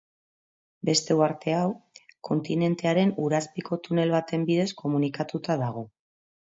Beste uharte hau kontinentearen ur-azpiko tunel baten bidez komunikatuta dago.